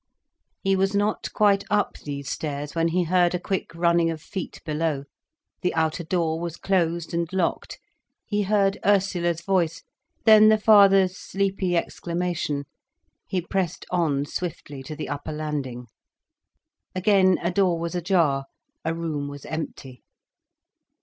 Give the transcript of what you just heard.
He was not quite up these stairs when he heard a quick running of feet below, the outer door was closed and locked, he heard Ursula's voice, then the father's sleepy exclamation. He pressed on swiftly to the upper landing. Again a door was ajar, a room was empty.